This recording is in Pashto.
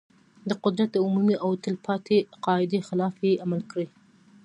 د قدرت د عمومي او تل پاتې قاعدې خلاف یې عمل کړی.